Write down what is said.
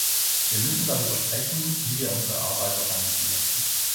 Wir müssen darüber sprechen, wie wir unsere Arbeit organisieren.